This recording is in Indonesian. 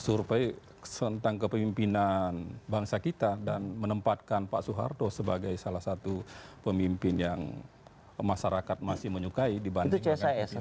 suruh baik tentang kepemimpinan bangsa kita dan menempatkan pak soeharto sebagai salah satu pemimpin yang masyarakat masih menyukai dibandingkan pemimpin yang lain